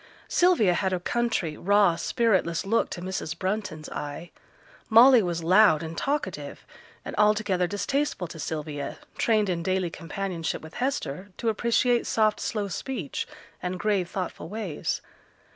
Sylvia had a country, raw, spiritless look to Mrs. Brunton's eye; Molly was loud and talkative, and altogether distasteful to Sylvia, trained in daily companionship with Hester to appreciate soft slow speech, and grave thoughtful ways.